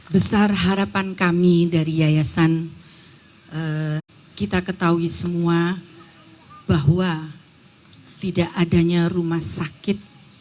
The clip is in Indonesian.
besar harapan kami dari yayasan kita ketahui semua bahwa tidak adanya rumah sakit